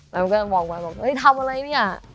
แล้วมันก็บอกมาทำอะไรเนี่ย